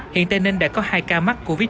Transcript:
hiện tây ninh đã có hai ca mắc covid một mươi